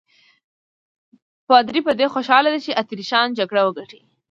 پادري په دې خوشاله دی چې اتریشیان جګړه وګټي.